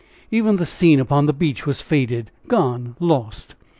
Even the scene upon the beach was faded, gone, lost!